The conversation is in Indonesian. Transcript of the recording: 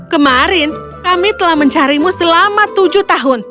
kemarin kami telah mencarimu selama tujuh tahun